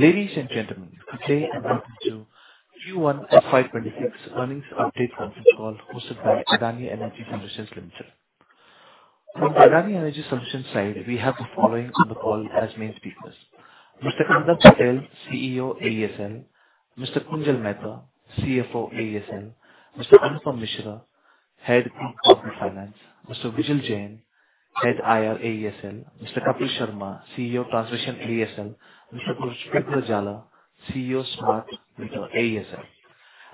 Ladies and gentlemen, today I'm going to do Q1 FY26 earnings update conference call hosted by Adani Energy Solutions Limited. From the Adani Energy Solutions side, we have the following on the call as main speakers: Mr. Kandarp Patel, CEO, AESL; Mr. Kunjal Mehta, CFO, AESL; Mr. Anupam Mishra, Head, Group Government Finance; Mr. Vijil Jain, Head, IR, AESL; Mr. Kapil Sharma, CEO, Transmission, AESL; Mr. Pushpendrasinh Zala, CEO, Smart Meter, AESL.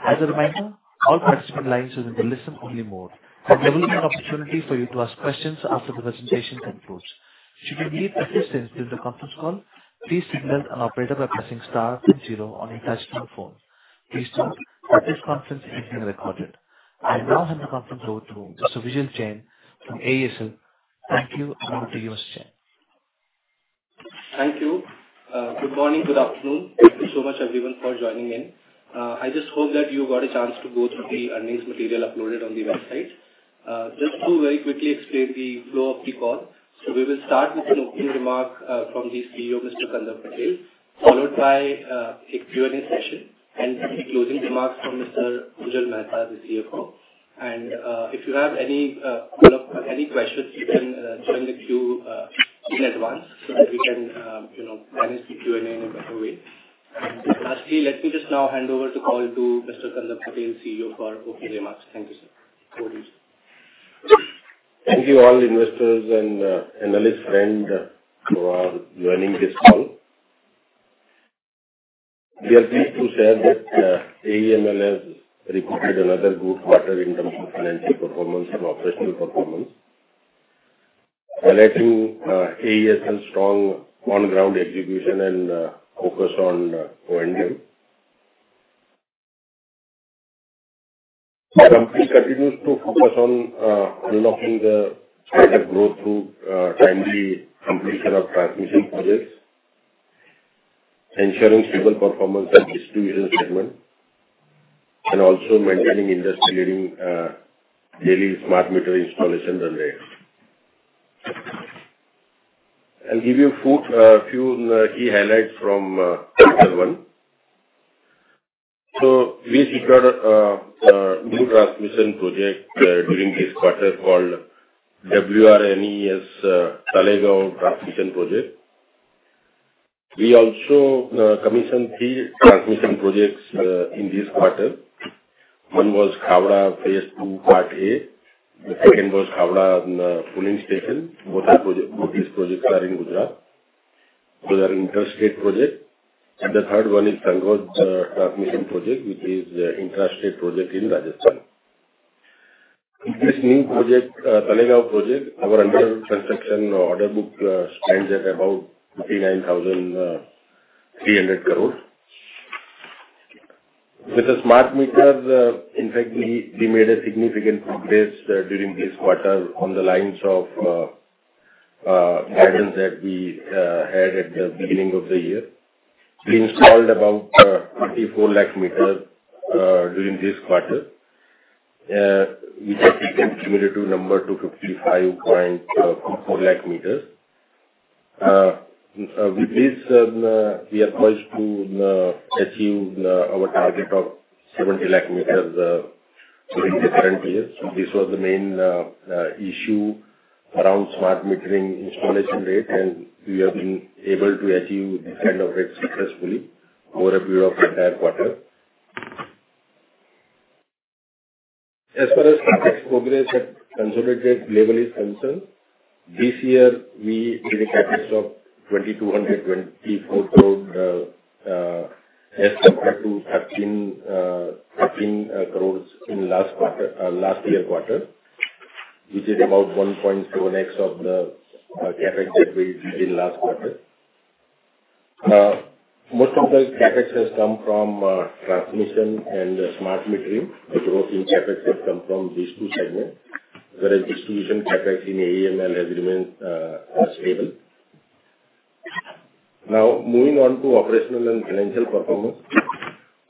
As a reminder, all participant lines are in the listen-only mode. It will be an opportunity for you to ask questions after the presentation concludes. Should you need assistance during the conference call, please signal an operator by pressing star and zero on your touchscreen phone. Please note that this conference is being recorded. I now hand the conference over to Mr. Vijil Jain from AESL. Thank you, and over to you, Mr. Jain. Thank you. Good morning, good afternoon. Thank you so much, everyone, for joining in. I just hope that you got a chance to go through the earnings material uploaded on the website. Just to very quickly explain the flow of the call, we will start with an opening remark from the CEO, Mr. Kandarp Patel, followed by a Q&A session and closing remarks from Mr. Kunjal Mehta, the CFO. If you have any questions, you can join the queue in advance so that we can manage the Q&A in a better way. Lastly, let me just now hand over the call to Mr. Kandarp Patel, CEO, for opening remarks. Thank you, sir. Thank you, all investors and analyst friends who are joining this call. We are pleased to share that AEML has reported another good quarter in terms of financial performance and operational performance. Highlighting AESL's strong on-ground execution and focus on O&A. The company continues to focus on unlocking the growth through timely completion of transmission projects, ensuring stable performance in the distribution segment, and also maintaining industry-leading daily smart meter installation rates. I'll give you a few key highlights from Q1. We secured a new transmission project during this quarter called WRNES Talegaon Transmission Project. We also commissioned three transmission projects in this quarter. One was Khavda Phase 2 Part A. The second was Khavda Pooling Station. Both these projects are in Gujarat. Those are interstate projects. The third one is Sangod Transmission Project, which is an interstate project in Rajasthan. With this new Talegaon project, our under construction order book stands at about 59,300 crore. With the smart meter, in fact, we made significant progress during this quarter on the lines of guidance that we had at the beginning of the year. We installed about 4.4 million meters during this quarter, which takes the cumulative number to 5.54 million meters. With this, we are poised to achieve our target of 7 million meters during the current year. This was the main issue around smart metering installation rate, and we have been able to achieve this kind of rate successfully over the entire quarter. As far as progress at consolidated level is concerned, this year we did a CapEx of 2,224 crore as compared to 13 crore in last year quarter, which is about 1.7x of the CapEx that we did last quarter. Most of the CapEx has come from transmission and smart metering. The growth in CapEx has come from these two segments, whereas distribution CapEx in AEML has remained stable. Now, moving on to operational and financial performance.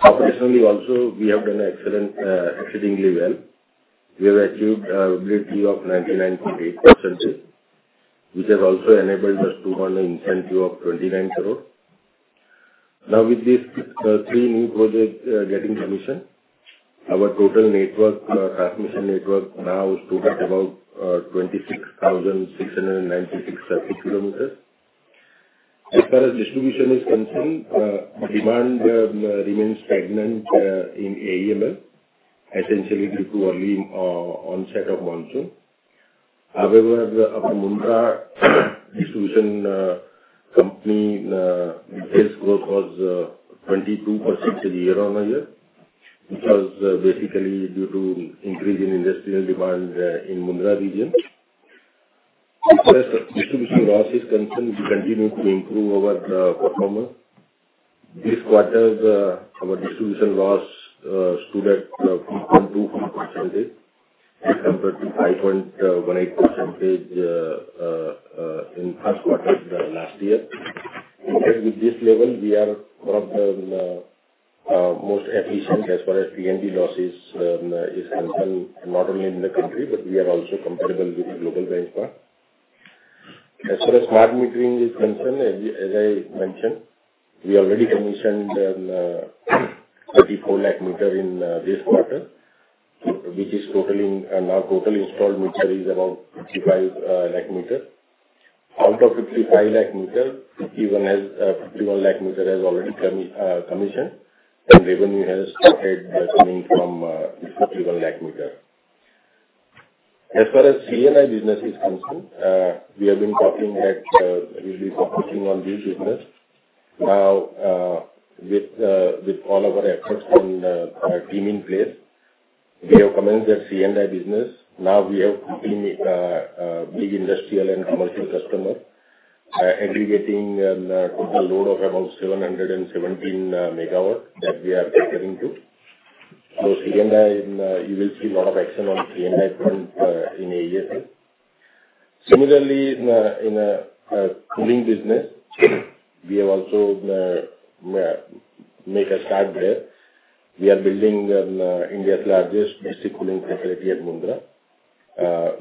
Operationally, also, we have done exceedingly well. We have achieved a revenue of 99.8%, which has also enabled us to earn an incentive of 29 crore. Now, with these three new projects getting commissioned, our total transmission network now stood at about 26,696 circuit km. As far as distribution is concerned, demand remains stagnant in AEML, essentially due to early onset of monsoon. However, our Mundra distribution company retail's growth was 22% year on year, which was basically due to an increase in industrial demand in the Mundra region. As far as distribution loss is concerned, we continued to improve our performance. This quarter, our distribution loss stood at 4.24% as compared to 5.18% in the first quarter last year. With this level, we are one of the most efficient as far as P&D losses are concerned, not only in the country, but we are also comparable with the global benchmark. As far as smart metering is concerned, as I mentioned, we already commissioned 3.4 million meters in this quarter. Which is now total installed meter is about 5.5 million meters. Out of 5.5 million meters, 5.1 million meters has already commissioned, and revenue has started coming from this 5.1 million meters. As far as C&I business is concerned, we have been talking that we will be focusing on this business. Now, with all of our efforts and our team in place, we have commenced that C&I business. Now we have completely big industrial and commercial customers aggregating a total load of about 717 MW that we are comparing to. So C&I, you will see a lot of action on C&I front in AESL. Similarly, in the cooling business, we have also made a start there. We are building India's largest District Cooling Facility at Mundra,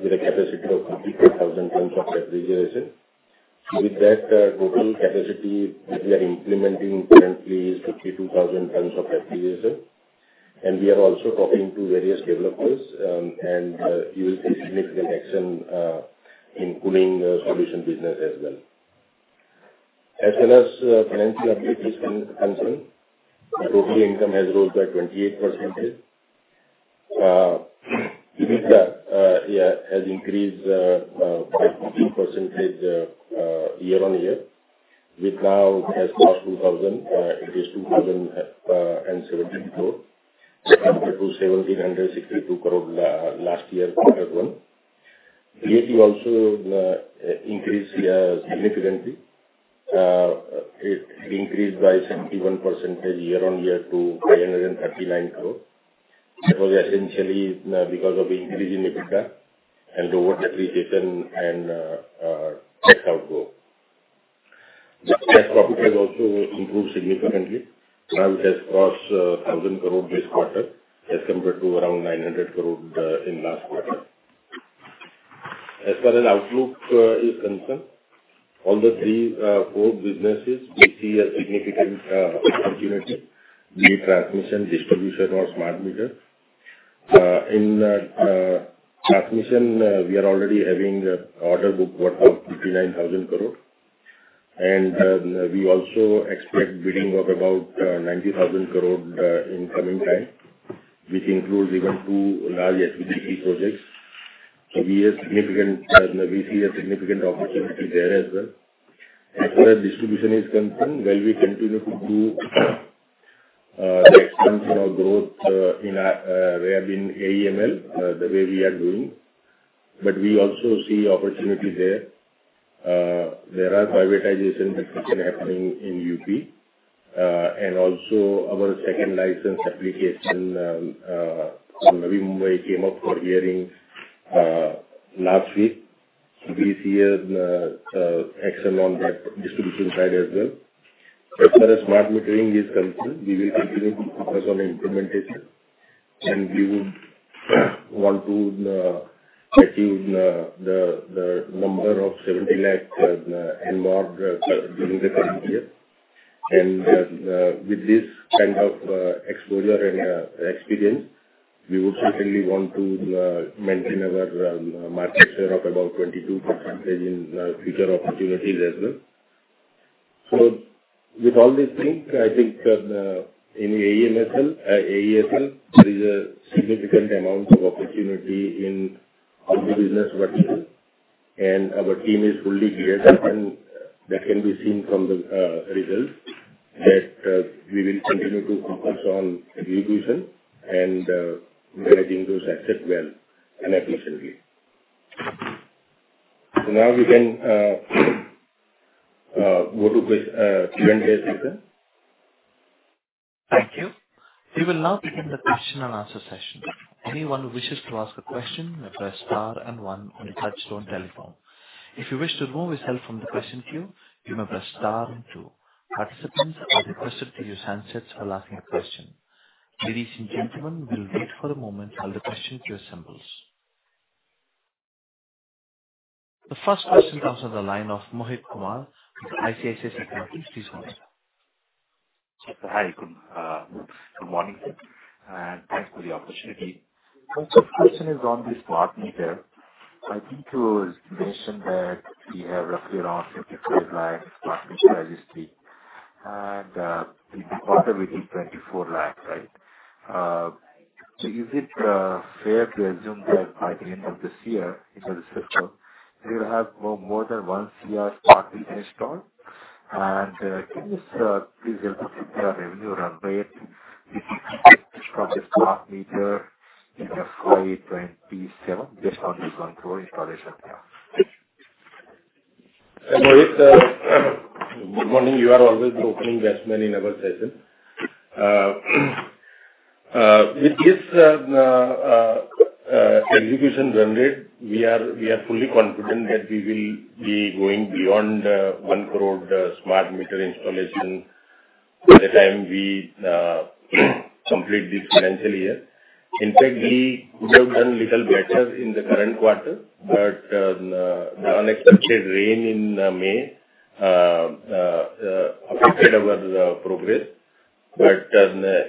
with a capacity of 52,000 tons of refrigeration. With that, total capacity that we are implementing currently is 52,000 tons of refrigeration. And we are also talking to various developers, and you will see significant action in cooling solution business as well. As far as financial ability is concerned, total income has rose by 28%. EBITDA has increased by 14% year-on-year, with now, as cost, 2,070 crore compared to 1,762 crore last year quarter one. PAT also increased significantly. It increased by 71% year on year to 539 crore. That was essentially because of the increase in EBITDA and lower depreciation and tax outgo. The cash profit has also improved significantly. Now it has crossed 1,000 crore this quarter as compared to around 900 crore in last quarter. As far as outlook is concerned, all the three core businesses see a significant opportunity in transmission, distribution, or smart meters. In transmission, we are already having an order book worth of 59,000 crore. We also expect bidding of about 90,000 crore in coming time, which includes even two large HVDC projects. We see a significant opportunity there as well. As far as distribution is concerned, while we continue to do expansion or growth in AEML the way we are doing, we also see opportunity there. There are privatization discussions happening in UP. Also, our second license application from Navi Mumbai came up for hearing last week. We see action on that distribution side as well. As far as smart metering is concerned, we will continue to focus on implementation. We would want to achieve the number of 7 million and more during the current year. With this kind of exposure and experience, we would certainly want to maintain our market share of about 22% in future opportunities as well. With all these things, I think in AESL, AEML there is a significant amount of opportunity in the business vertical. Our team is fully geared. That can be seen from the results that we will continue to focus on distribution and managing those assets well and efficiently. Now we can go to Q&A session. Thank you. We will now begin the question and answer session. Anyone who wishes to ask a question may press star and one on the touchstone telephone. If you wish to remove yourself from the question queue, you may press star and two. Participants are requested to use handsets while asking a question. Ladies and gentlemen, we'll wait for a moment while the question queue assembles. The first question comes from the line of Mohit Kumar with ICICI Securities. Please go ahead. Hi. Good morning. Thanks for the opportunity. The question is on this smart meter. I think you mentioned that we have roughly around 5.2 million smart meters registry. The quarter will be 2.4 million, right? Is it fair to assume that by the end of this year, into the circle, we will have more than 10 million smart meters installed? Can you please help us with the revenue run rate if we can get from the smart meter in the 527 based on this 10 million installation? Good morning. You are always the opening best man in our session. With this execution run rate, we are fully confident that we will be going beyond one crore smart meter installation by the time we complete this financial year. In fact, we could have done a little better in the current quarter, but the unexpected rain in May affected our progress.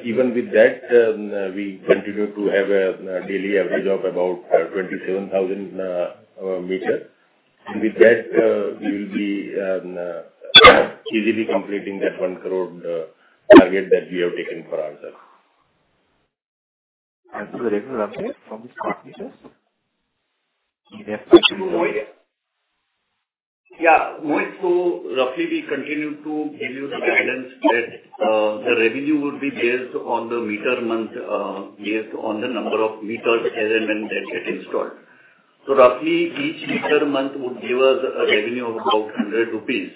Even with that, we continue to have a daily average of about 27,000 meters. With that, we will be easily completing that one crore target that we have taken for ourselves. For the revenue run rate from the smart meters? Yeah. Mohit, so roughly we continue to give you the guidance that the revenue would be based on the meter month based on the number of meters and when they get installed. So roughly each meter month would give us a revenue of about 100 rupees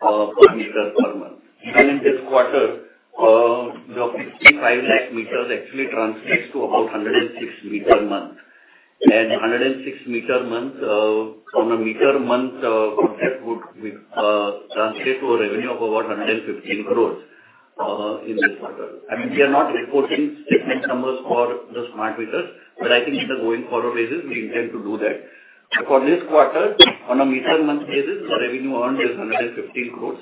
per meter per month. Even in this quarter. The 5.5 million meters actually translates to about 10.6 million meter month. And 10.6 million meter month on a meter month concept would translate to a revenue of about 1.15 billion in this quarter. I mean, we are not reporting statement numbers for the smart meters, but I think in the going forward basis, we intend to do that. For this quarter, on a meter month basis, the revenue earned is 1.15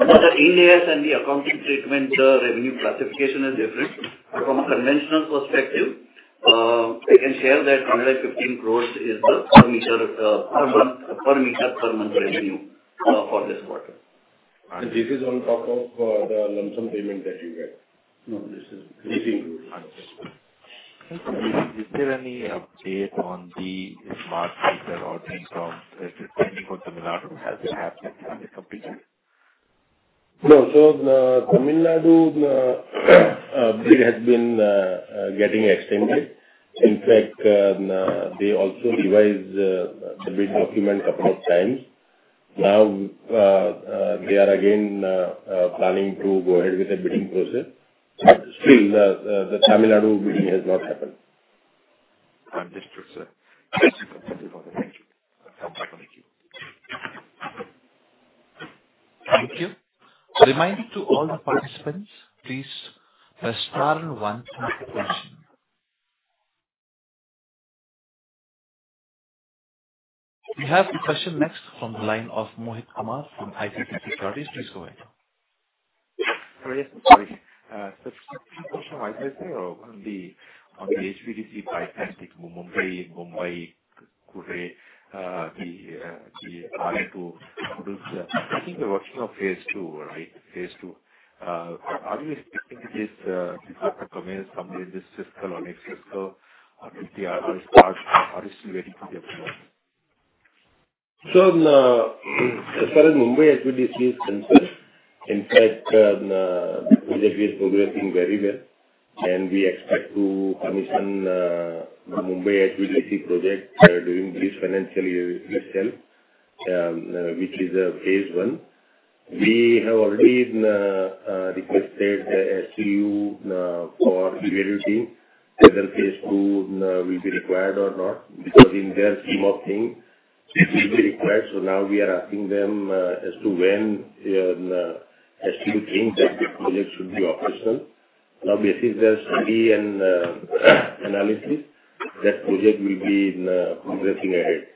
billion. The index and the accounting statement revenue classification is different. But from a conventional perspective. I can share that 1.15 crore is the per meter per month revenue for this quarter. This is on top of the lump sum payment that you get. No. This is INR 150 million. Is there any update on the smart meter ordering form pending for Tamil Nadu? Has it completed? No. So Tamil Nadu has been getting extended. In fact, they also revised the bid document a couple of times. Now they are again planning to go ahead with the bidding process. Still, the Tamil Nadu bidding has not happened. Thank you. Thank you. Reminding to all the participants, please press star and one for question. We have a question next from the line of Mohit Kumar from ICICI Security. Please go ahead. Sorry. Sorry. The question was, I say, on the HVDC pipeline, take Mumbai, Mumbai, Kure. The plan to produce. I think we're working on phase II, right? phase II. Are you expecting this to come in somewhere in this circle or next circle or 50? Or are you still waiting for the approval? As far as Mumbai HVDC is concerned, in fact, we are progressing very well. We expect to commission the Mumbai HVDC project during this financial year itself, which is phase one. We have already requested the CTU for evaluating whether phase two will be required or not, because in their scheme of things, it will be required. Now we are asking them as to when CTU thinks that the project should be operational. Basically, there is study and analysis that the project will be progressing ahead.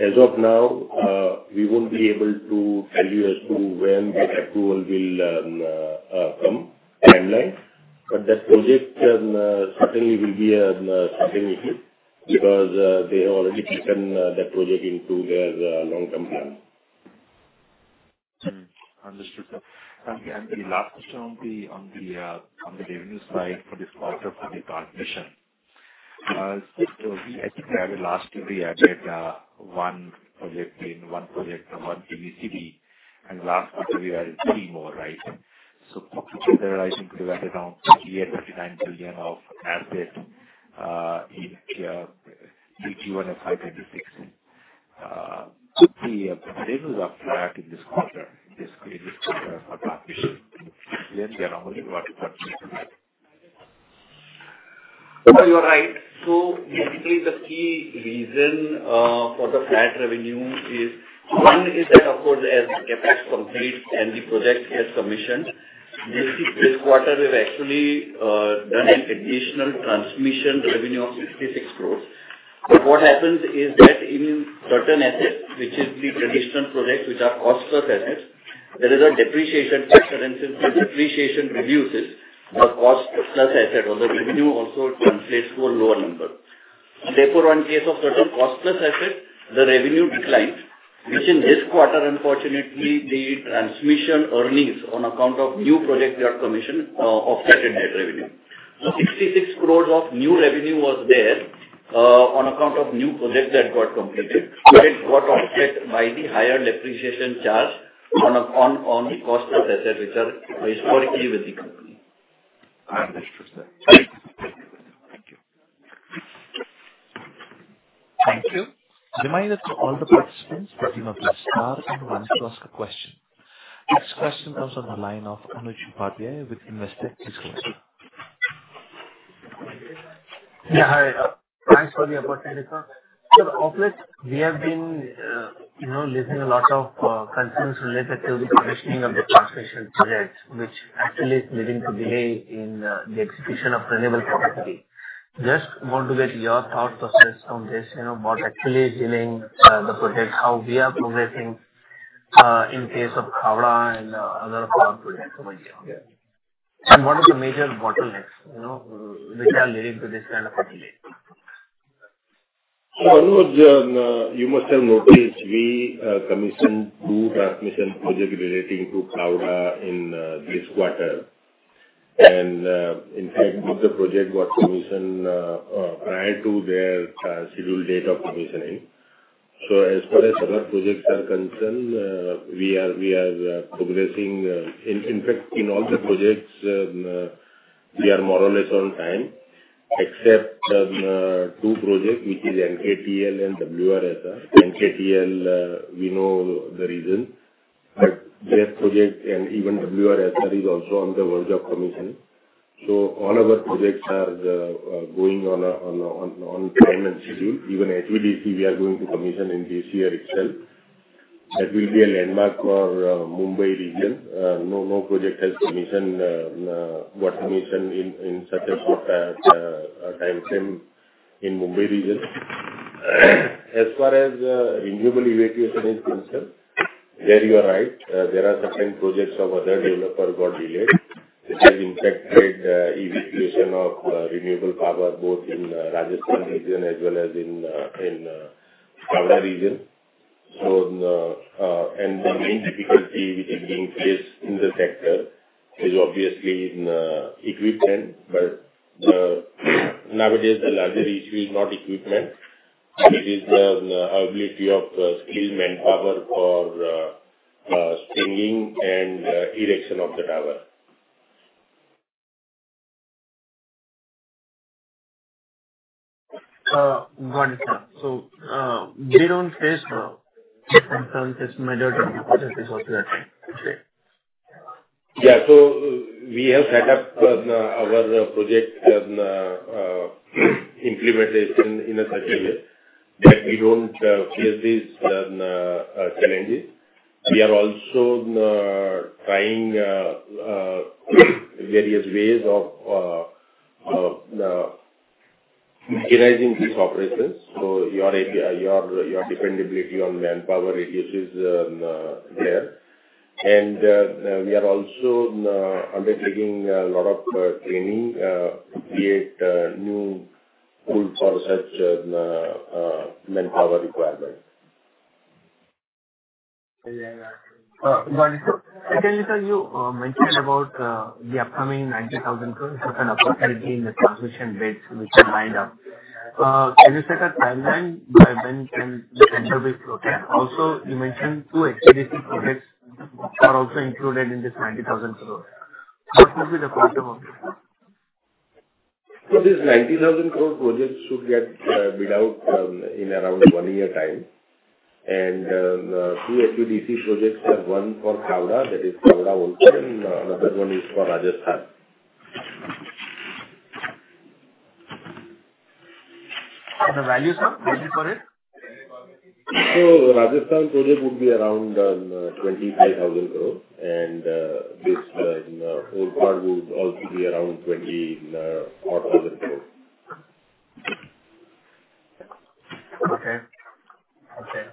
As of now, we will not be able to tell you as to when that approval will come, timeline. That project certainly will be a starting issue because they have already taken that project into their long-term plan. Understood. The last question on the revenue side for this quarter for the transmission. I think we have last year, we added one project and one project for one HVDC. Last quarter, we added three more, right? Put together, I think we've added around 58 billion-59 billion of asset in Q1 FY 2026. The revenue is up flat in this quarter. In this quarter for transmission, we are normally about 20%. You are right. So basically, the key reason for the flat revenue is one is that, of course, as the CapEx completes and the project gets commissioned, this quarter we've actually done an additional transmission revenue of 66 crore. But what happens is that in certain assets, which is the traditional projects, which are cost-plus assets, there is a depreciation factor. And since the depreciation reduces, the cost-plus asset or the revenue also translates to a lower number. Therefore, in case of certain cost-plus assets, the revenue declined. Which in this quarter, unfortunately, the transmission earnings on account of new projects that got commissioned offsetted that revenue. So 66 crore of new revenue was there. On account of new projects that got completed. It got offset by the higher depreciation charge on the cost-plus assets, which are historically with the company. Understood. Thank you. Thank you. Reminded to all the participants that you may press star and one to ask a question. Next question comes from the line of Anuj Bhatia with Invested. Please go ahead. Yeah. Hi. Thanks for the opportunity. Off late, we have been listening to a lot of concerns related to the commissioning of the transmission projects, which actually is leading to delay in the execution of renewable capacity. Just want to get your thoughts or stress on this, about actually dealing with the projects, how we are progressing. In case of COWRA and other smart projects over here. What are the major bottlenecks which are leading to this kind of a delay? Anuj, you must have noticed we commissioned two transmission projects relating to COWRA in this quarter. In fact, both the projects got commissioned prior to their scheduled date of commissioning. As far as other projects are concerned, we are progressing. In fact, in all the projects, we are more or less on time except two projects, which are NKTL and WRSR. NKTL, we know the reason, but that project, and even WRSR, is also on the verge of commissioning. All of our projects are going on time and schedule. Even HVDC, we are going to commission in this year itself. That will be a landmark for the Mumbai region. No project has got commissioned in such a short timeframe in the Mumbai region. As far as renewable evacuation is concerned, you are right. There are certain projects of other developers that got delayed. This has, in fact, created evacuation of renewable power both in the Rajasthan region as well as in COWRA region. The main difficulty which is being faced in the sector is obviously in equipment. Nowadays, the larger issue is not equipment. It is the ability of skilled manpower for stringing and erection of the tower. Got it. So they don't face different terms as measured in the process of that today? Yeah. We have set up our project implementation in such a way that we do not face these challenges. We are also trying various ways of mechanizing these operations, so your dependability on manpower reduces there. We are also undertaking a lot of training to create new pools for such manpower requirements. Got it. Can you tell, you mentioned about the upcoming 90,000 crore, so kind of possibility in the transmission bids which are lined up. Can you set a timeline by when can the tender be floated? Also, you mentioned two HVDC projects are also included in this 90,000 crore. What would be the quantum of this? This 90,000 crore project should get bid out in around one year time. Two HVDC projects are, one for Kaurara, that is Kaurara-Ulson, and another one is for Rajasthan. Are the values ready for it? Rajasthan project would be around 25,000 crore. This whole part would also be around 24,000 crore. Okay. Okay.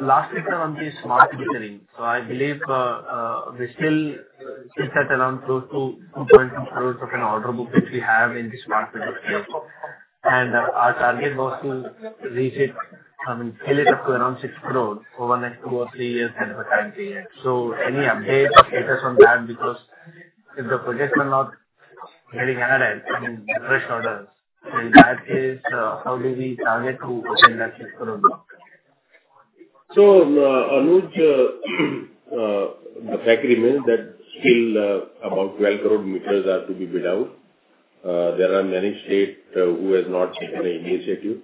Last question on the smart metering. I believe we still sit at around close to 22 crore of an order book which we have in the smart meter space. Our target was to reach it, I mean, scale it up to around 60 crore over the next two or three years kind of a time period. Any updates on that? Because if the projects are not getting added and refreshed orders, in that case, how do we target to open that INR 60 crore block? The fact remains that still about 120 crore meters are to be bid out. There are many states who have not taken an initiative.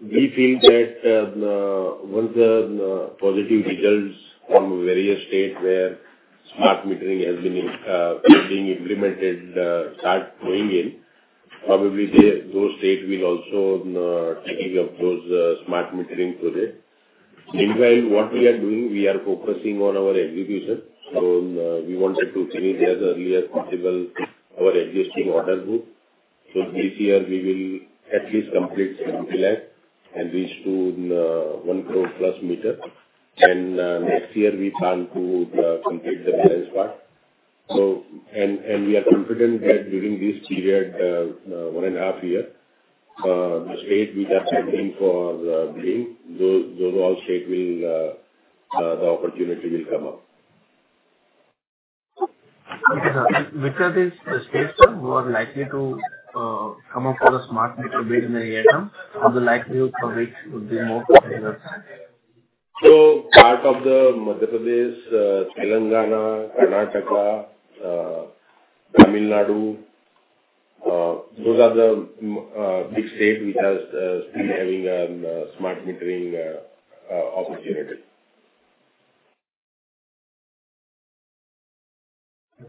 We feel that once the positive results from various states where smart metering has been implemented start going in, probably those states will also take up those smart metering projects. Meanwhile, what we are doing, we are focusing on our execution. We wanted to finish as early as possible our existing order book. This year, we will at least complete 7 million and reach to 1 crore plus meters. Next year, we plan to complete the balance part. We are confident that during this period, one and a half year, the states which are pending for bidding, those all states will, the opportunity will come up. Okay. Which are these the states who are likely to come up for the smart meter bid in the near term? Or the likelihood for which would be more? Part of the Madhya Pradesh, Telangana, Karnataka, Tamil Nadu. Those are the big states which are still having a smart metering opportunity.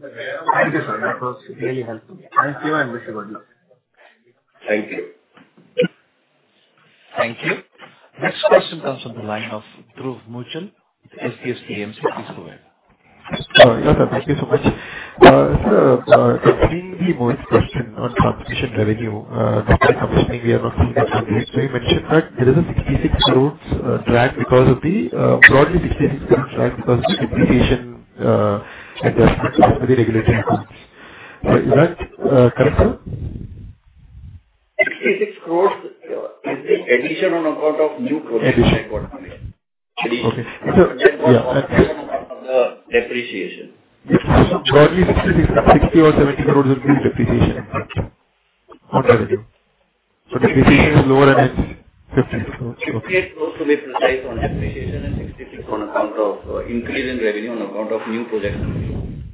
Thank you, sir. That was really helpful. Thank you and wish you good luck. Thank you. Thank you. Next question comes from the line of Dhruv Muchhal. HDFC AMC, please go ahead. Sorry. Thank you so much. Sir. The main key question on transmission revenue, the company comes in, we are not seeing that in the history. You mentioned that there is a 66 crore drag because of the, broadly 66 crore drag because of the depreciation. Adjustment with the regulatory groups. Is that correct, sir? 66 crore is the addition on account of new crores? Addition. Addition. Okay. On account of the depreciation. Broadly, 60 or 70 crore would be depreciation. On revenue, depreciation is lower and it's 50. 66 crore to be precise on depreciation and 66 crore. On account of increase in revenue, on account of new projects coming in.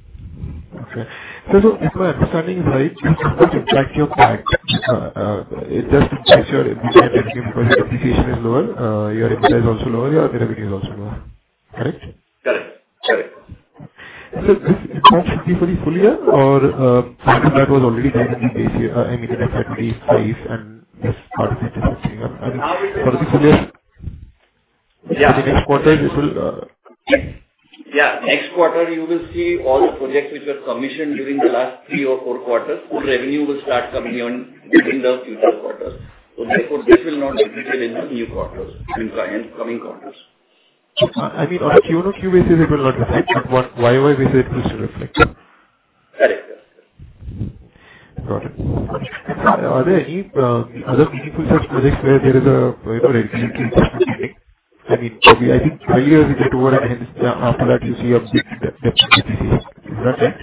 Okay. If my understanding is right, you would subtract your part. It doesn't mean your depreciation is lower. Your input is also lower or the revenue is also lower. Correct? Correct. Correct. Is this more fully here or something that was already done in the, I mean, in FY 2025 and this part of it is happening? I mean, for the next quarter, this will? Yeah. Next quarter, you will see all the projects which were commissioned during the last three or four quarters. The revenue will start coming in in the future quarters. This will not be reflected in the new quarters, in the coming quarters. I mean, on a Q1 or Q2, it will not reflect, but on YoY, we said it will still reflect. Correct. Got it. Are there any other meaningful such projects where there is a relative interest? I mean, I think earlier we got over 100, after that you see a big depreciation. Is that right?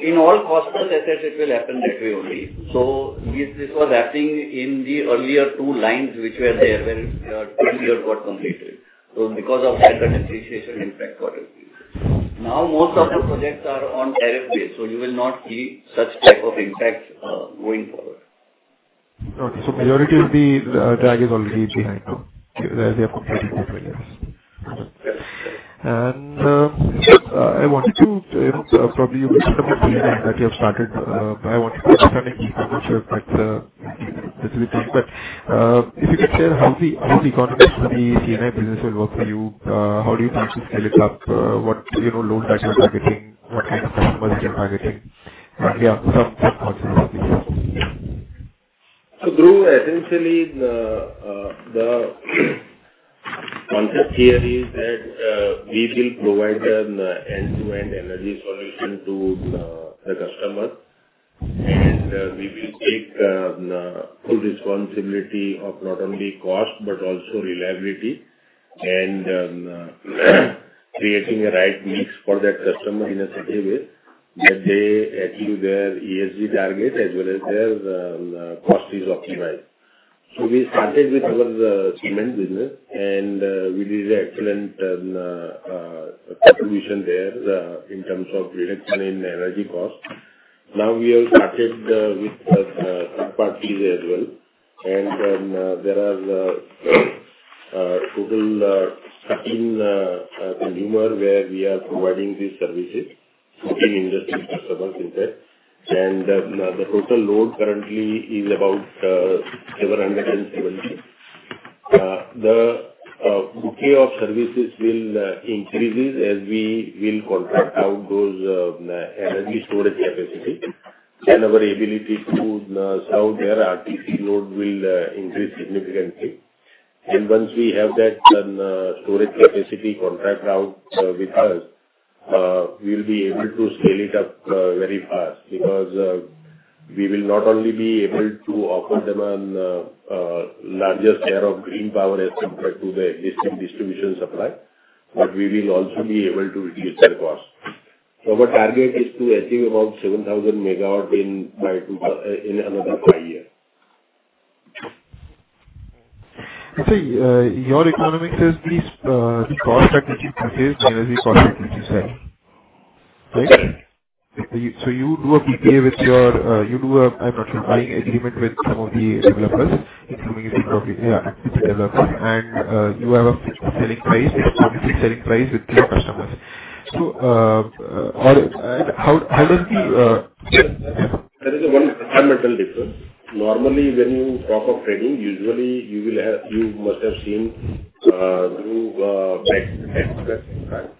In all cost-plus assets, it will happen that way only. This was happening in the earlier two lines which were there where two years got completed. Because of that, the depreciation impact got reduced. Now, most of the projects are on tariff base. You will not see such type of impact going forward. Okay. So majority of the drag is already behind now. They have completed the earliest. I wanted to probably, you mentioned a few things that you have started. I wanted to understand the key concepts that this will take. If you could share how the economy for the C&I business will work for you, how do you plan to scale it up, what loans that you are targeting, what kind of customers you are targeting, and yeah, some concepts of this. Dhruv, essentially, the concept here is that we will provide an end-to-end energy solution to the customers. We will take full responsibility of not only cost but also reliability and creating a right mix for that customer in such a way that they achieve their ESG target as well as their cost is optimized. We started with our cement business, and we did an excellent contribution there in terms of reduction in energy cost. Now we have started with third parties as well. There are a total of 13 consumers where we are providing these services, 14 industry customers in fact. The total load currently is about 770. The booking of services will increase as we will contract out those energy storage capacity, and our ability to serve their RTC load will increase significantly. Once we have that storage capacity contract out with us, we will be able to scale it up very fast because we will not only be able to offer them a larger share of green power as compared to the existing distribution supply, but we will also be able to reduce their cost. Our target is to achieve about 7,000 MW in another five years. Okay. So your economics is the cost that which you purchase. Energy cost that which you sell, right? Correct. You do a PPA with your, you do a, I'm not sure, buying agreement with some of the developers, including a few, yeah, a few developers. And you have a fixed selling price, a fixed selling price with your customers. How does the. There is one fundamental difference. Normally, when you talk of trading, usually you must have seen, through tech investments,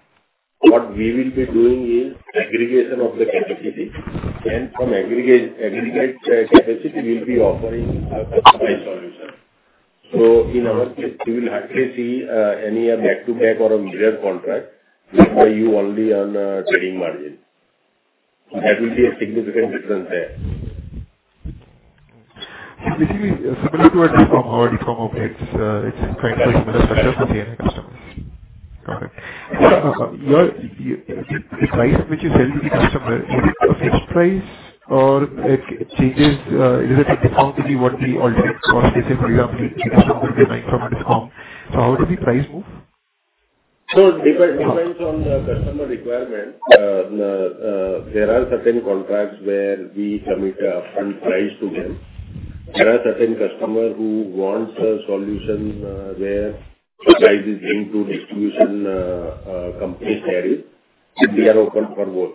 what we will be doing is aggregation of the capacity. And from aggregated capacity, we will be offering a customized solution. In our case, you will hardly see any back-to-back or a mirror contract where you only earn a trading margin. That will be a significant difference there. Basically, similar to what we've already talked about, it's kind of a similar structure for C&I customers. Got it. The price which you sell to the customer, is it a fixed price or does it change? Is it a discount to what the ultimate cost is? For example, the customer will be buying from a discount. How does the price move? It depends on the customer requirement. There are certain contracts where we submit a fixed price to them. There are certain customers who want a solution where the price is linked to distribution company's tariff. We are open for both.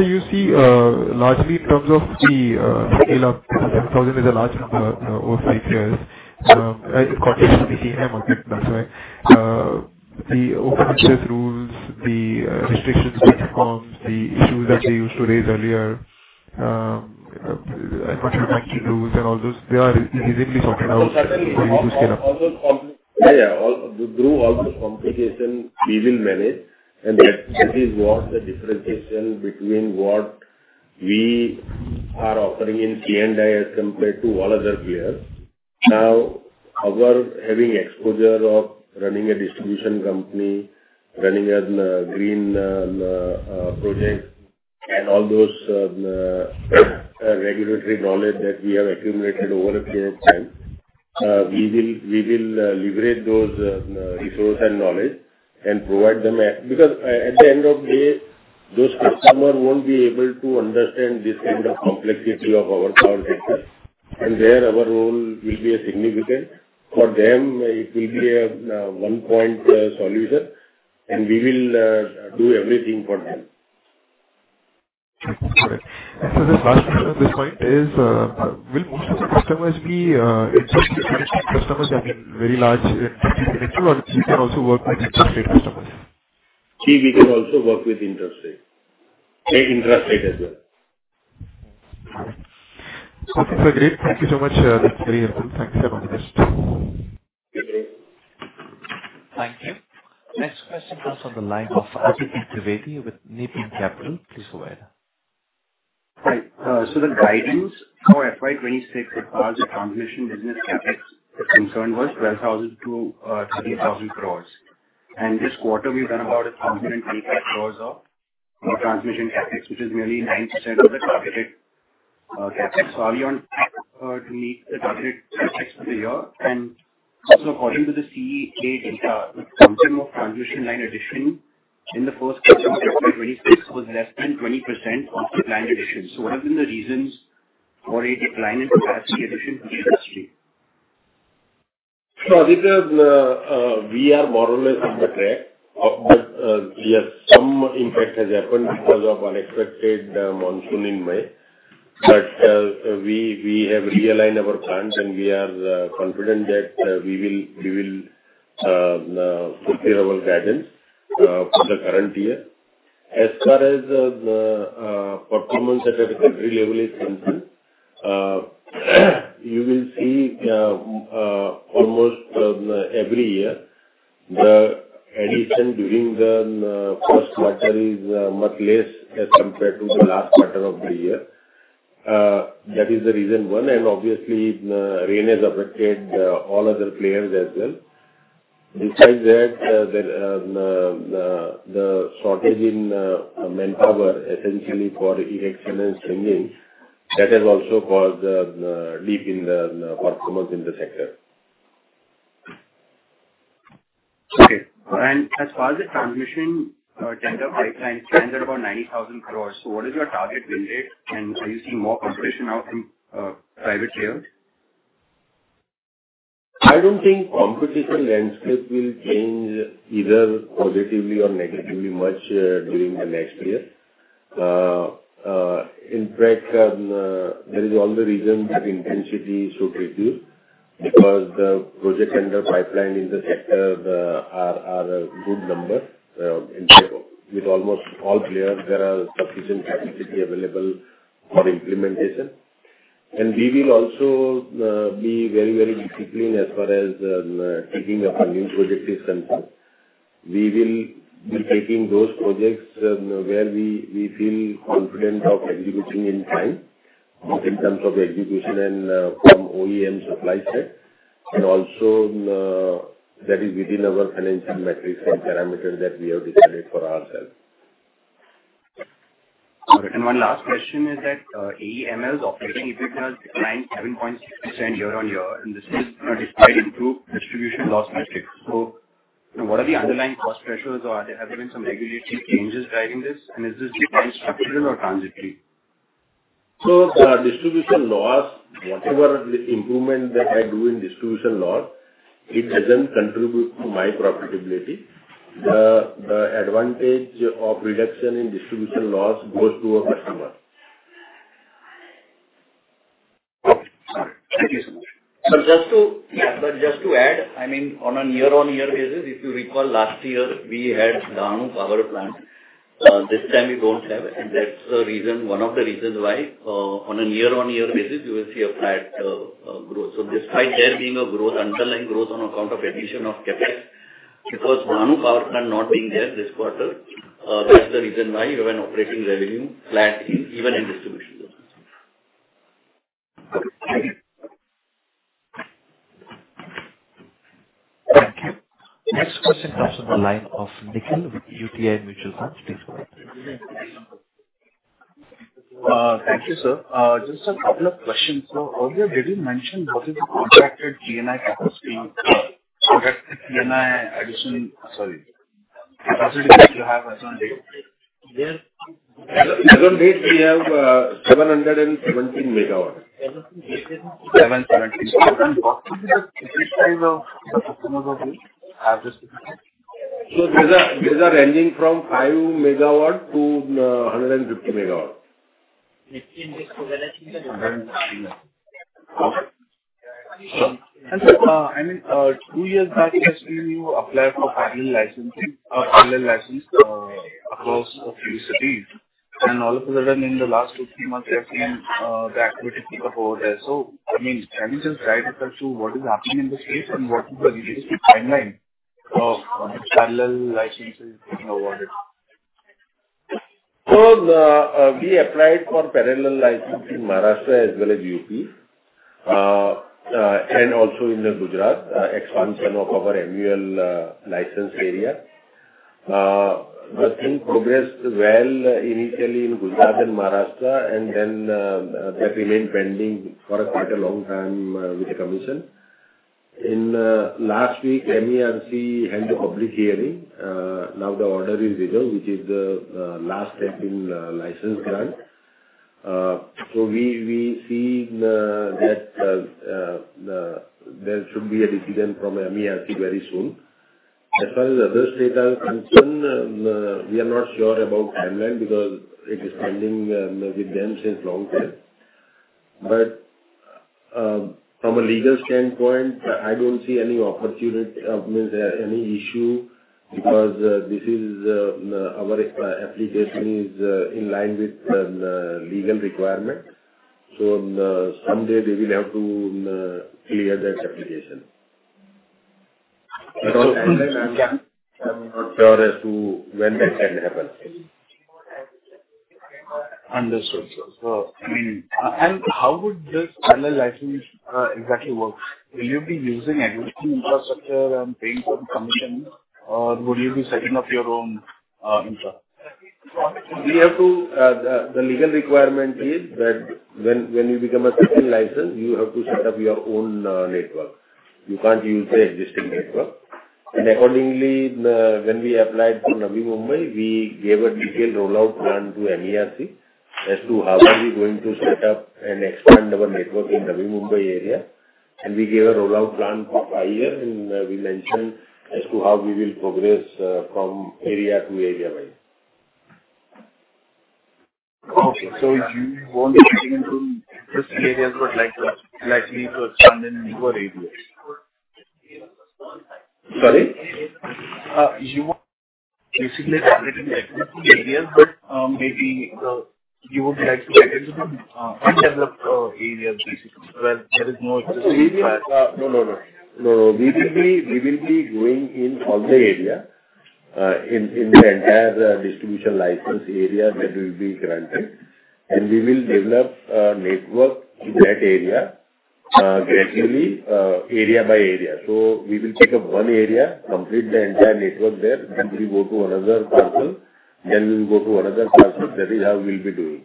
You see largely in terms of the scale-up, 7,000 is a large number over five years. It's contributing to the C&I market. That's why. The open access rules, the restrictions which forms, the issues that they used to raise earlier. I'm not sure the banking rules and all those, they are easily sorted out for you to scale up. Yeah. Through all those complications, we will manage. That is what the differentiation between what we are offering in C&I as compared to all other players. Now, our having exposure of running a distribution company, running a green project, and all those regulatory knowledge that we have accumulated over a period of time, we will leverage those resources and knowledge and provide them because at the end of the day, those customers will not be able to understand this kind of complexity of our power sector. There, our role will be significant. For them, it will be a one-point solution. We will do everything for them. Got it. This last point is, will most of the customers be interested in customers that are very large in 50 minutes, or you can also work with interested customers? See, we can also work with interested. Interested as well. Okay. So that's great. Thank you so much. That's very helpful. Thanks for your honesty. Thank you. Thank you. Next question comes from the line of Adi Entivedi with Nippon Capital. Please go ahead. Hi. The guidance for FY 2026, as far as the transmission business CapEx is concerned, was 12,000 crore-13,000 crore. This quarter, we've done about 1,288 crore of transmission CapEx, which is nearly 9% of the targeted CapEx. Are we on track to meet the targeted CapEx for the year? According to the CEA data, the consumption of transmission line addition in the first quarter of FY 2026 was less than 20% of the planned addition. What have been the reasons for a decline in capacity addition for the industry? Aditya, we are more or less on track. Yes, some impact has happened because of unexpected monsoon in May. We have realigned our plans, and we are confident that we will fulfill our guidance for the current year. As far as performance at a country level is concerned, you will see almost every year, the addition during the first quarter is much less as compared to the last quarter of the year. That is the reason, one. Obviously, rain has affected all other players as well. Besides that, the shortage in manpower, essentially for erection and spending, that has also caused a dip in the performance in the sector. Okay. As far as the transmission tender pipeline is scaled at about 900 billion, what is your target win rate? Are you seeing more competition out in private players? I don't think competition landscape will change either positively or negatively much during the next year. In fact, there is all the reasons that intensity should reduce because the project tender pipeline in the sector are a good number. With almost all players, there are sufficient capacity available for implementation. We will also be very, very disciplined as far as taking up a new project is concerned. We will be taking those projects where we feel confident of executing in time, both in terms of execution and from OEM supply side. Also, that is within our financial metrics and parameters that we have decided for ourselves. Got it. One last question is that AEML's operating EBITDA has declined 7.6% year on year. This has improved distribution loss metrics. What are the underlying cost pressures, or have there been some regulatory changes driving this? Is this structural or transitory? Distribution loss, whatever improvement that I do in distribution loss, it doesn't contribute to my profitability. The advantage of reduction in distribution loss goes to our customers. Got it. Thank you so much. Just to add, I mean, on a year-on-year basis, if you recall last year, we had Dahanu power plant. This time we do not have. That is the reason, one of the reasons why on a year-on-year basis, you will see a flat growth. Despite there being a growth, underlying growth on account of addition of CapEx, because Dahanu power plant not being there this quarter, that is the reason why you have an operating revenue flat even in distribution business. Thank you. Next question comes from the line of Nikhil with UTI Mutual Funds. Please go ahead. Thank you, sir. Just a couple of questions. Earlier, did you mention what is the contracted C&I CapEx being? Contracted C&I addition, sorry. Capacity that you have as on date? As on date, we have 717 MW. What is the size of the customers of you? Have this? These are ranging from 100 MW-150 MW. 15-160. I mean, two years back, you have seen you apply for parallel licenses across a few cities. All of a sudden, in the last two, three months, you have seen the activity pick up over there. I mean, can you just guide us as to what is happening in this case and what is the leadership timeline of parallel licenses being awarded? We applied for parallel licenses in Maharashtra as well as Uttar Pradesh. Also in Gujarat, expansion of our MUL license area. The thing progressed well initially in Gujarat and Maharashtra, and then that remained pending for quite a long time with the commission. Last week, MERC held a public hearing. Now the order is reserved, which is the last step in license grant. We see that there should be a decision from MERC very soon. As far as other states are concerned, we are not sure about the timeline because it is pending with them since a long time. From a legal standpoint, I do not see any opportunity, I mean, any issue because this is, our application is in line with the legal requirement. Someday they will have to clear that application. On the timeline, I am not sure as to when that can happen. Understood. I mean, and how would this parallel license exactly work? Will you be using existing infrastructure and paying some commission, or would you be setting up your own infra? We have to, the legal requirement is that when you become a second license, you have to set up your own network. You can't use the existing network. Accordingly, when we applied for Navi Mumbai, we gave a detailed rollout plan to MERC as to how are we going to set up and expand our network in Navi Mumbai area. We gave a rollout plan for five years, and we mentioned as to how we will progress from area to area-wise. Okay. So you want to implement in interested areas, but likely to expand in newer areas? Sorry? You want basically targeting existing areas, but maybe you would like to get into the undeveloped areas, basically, where there is no existing infra? No, no. We will be going in all the area. In the entire distribution license area that will be granted. We will develop a network in that area, gradually, area by area. We will pick up one area, complete the entire network there. Then we go to another parcel. Then we will go to another parcel. That is how we'll be doing.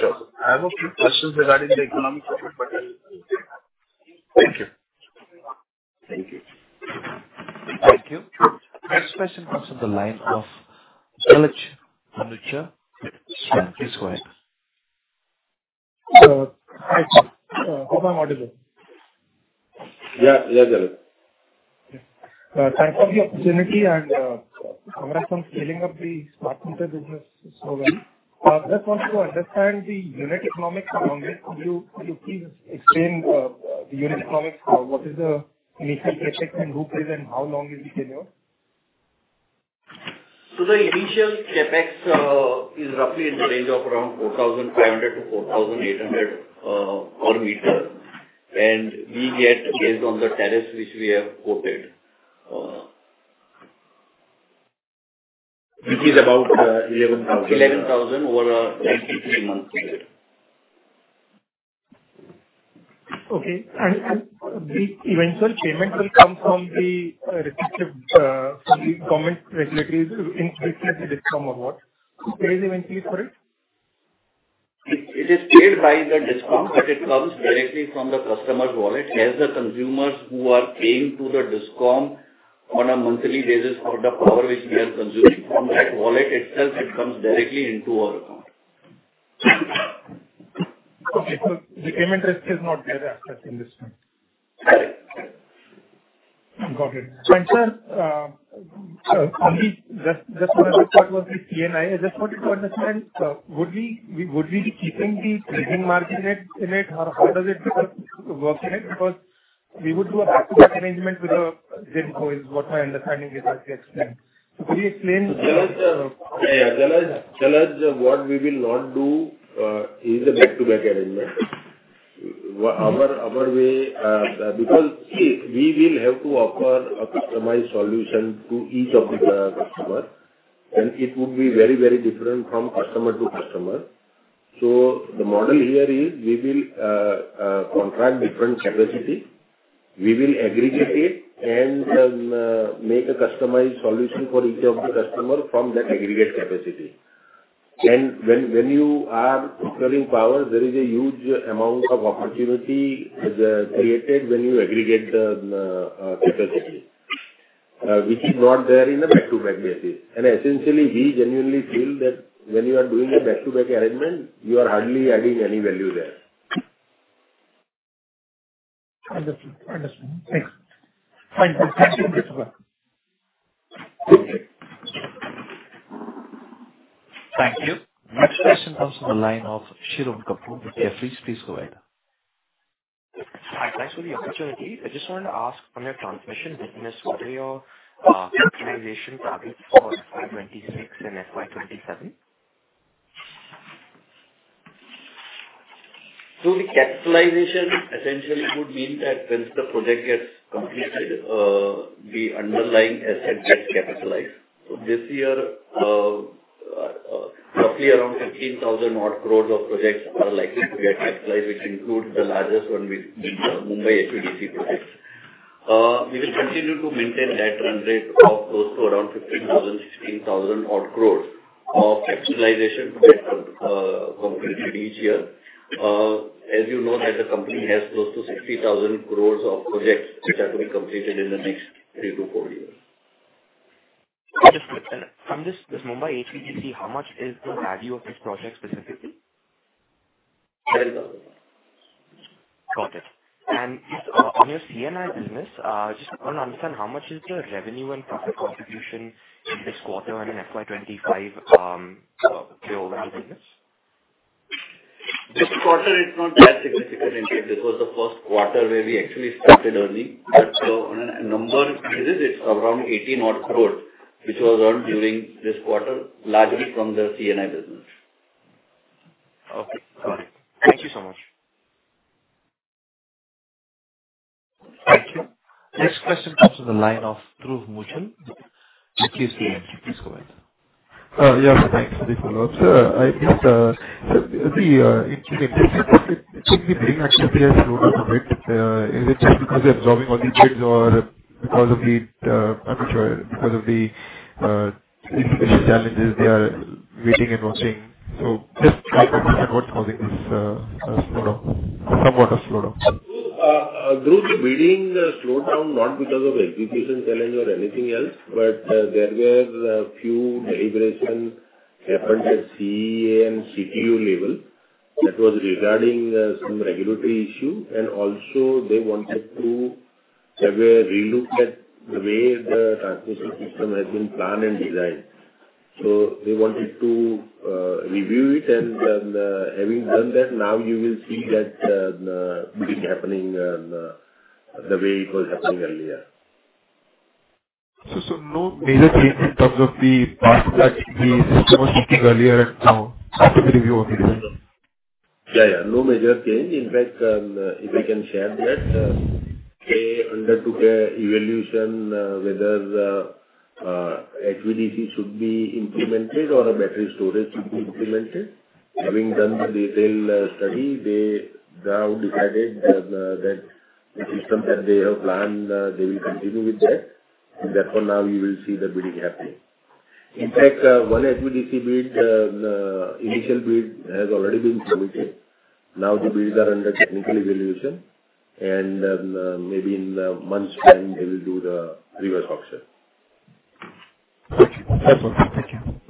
Sure. I have a few questions regarding the economic profit, but I'll take that. Thank you. Thank you. Thank you. Next question comes from the line of Kunjal Mehta. Please go ahead. Hi, sir. How am I audible? Yeah, yeah, audible. Thanks for the opportunity. I'm aware of some scaling of the smart home business so well. I just want to understand the unit economics along with you. Could you please explain the unit economics? What is the initial CapEx, and who plays, and how long is the tenure? The initial CapEx is roughly in the range of around 4,500-4,800 per meter. We get, based on the tariffs which we have quoted, which is about INR 11,000. 11,000 over a 93-month period. Okay. The eventual payment will come from the government regulatory increase with the DISCOM or what? Who pays eventually for it? It is paid by the DISCOM, but it comes directly from the customer's wallet. As the consumers who are paying to the DISCOM on a monthly basis for the power which we are consuming, from that wallet itself, it comes directly into our account. Okay. So the payment risk is not there after the investment? Correct. Got it. Sir, just one other part was the C&I. I just wanted to understand, would we be keeping the trading margin in it, or how does it work in it? Because we would do a back-to-back arrangement with the ZinCo, is what my understanding is as you explained. Could you explain? Yeah, Delucchi, what we will not do is a back-to-back arrangement. Our way, because see, we will have to offer a customized solution to each of the customers. And it would be very, very different from customer to customer. The model here is we will contract different capacity, we will aggregate it, and make a customized solution for each of the customers from that aggregate capacity. When you are selling power, there is a huge amount of opportunity created when you aggregate the capacity, which is not there in a back-to-back basis. Essentially, we genuinely feel that when you are doing a back-to-back arrangement, you are hardly adding any value there. Understood. Thank you. Next question comes from the line of Shiroon Kapur with Jeffries. Please go ahead. Hi. Thanks for the opportunity. I just wanted to ask on your transmission business, what are your capitalization targets for FY 2026 and FY 2027? The capitalization essentially would mean that once the project gets completed, the underlying asset gets capitalized. This year, roughly around 15,000 crore of projects are likely to get capitalized, which includes the largest one being the Mumbai HVDC projects. We will continue to maintain that run rate of close to around 15,000 crore-16,000 crore of capitalization to get completed each year. As you know, the company has close to 60,000 crore of projects which are to be completed in the next three to four years. Just a quick thing. From this Mumbai HVDC, how much is the value of this project specifically? 7,000. Got it. On your C&I business, just want to understand how much is the revenue and profit contribution in this quarter and in FY 2025. Over the business? This quarter is not that significant indeed. This was the first quarter where we actually started earning. On a number, this is around 180 crore which was earned during this quarter, largely from the C&I business. Okay. Got it. Thank you so much. Thank you. Next question comes from the line of Dhruv Muchhal. Please go ahead. Yeah, thanks for the follow-up. I guess the interesting thing is, it seems to be very active here in the road of a bit. Is it just because they're dropping all these bids or because of the, I'm not sure, because of the execution challenges they are waiting and watching? Just a couple of questions. What's causing this slowdown, or somewhat of slowdown? Through the waiting, the slowdown, not because of execution challenge or anything else, but there were a few deliberations happened at CEA and CTU level that was regarding some regulatory issue. Also, they wanted to have a relook at the way the transmission system has been planned and designed. They wanted to review it. Having done that, now you will see that being happening the way it was happening earlier. No major change in terms of the part that the system was shipping earlier. How does the review of it is? Yeah, yeah. No major change. In fact, if we can share that. They undertook an evaluation whether HVDC should be implemented or a battery storage should be implemented. Having done the detailed study, they now decided that the system that they have planned, they will continue with that. Therefore, now you will see the bidding happening. In fact, one HVDC bid, the initial bid has already been submitted. Now the bids are under technical evaluation. Maybe in a month's time, they will do the reverse auction. Thank you. That's all. Thank you.